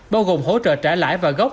bao gồm hỗ trợ trả lãi và gốc